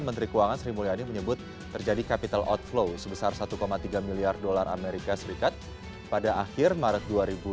menteri keuangan sri mulyani menyebut terjadi capital outflow sebesar satu tiga miliar dolar amerika serikat pada akhir maret dua ribu dua puluh